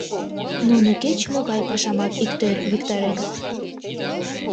Нуно кеч-могай пашамат иктӧр виктареныт.